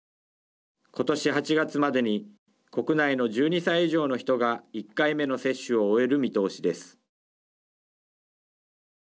ことし８月までに国内の１２歳以上の人が１回目の接種を終える見通しです。